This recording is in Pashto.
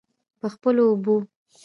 په خپلو اوبو.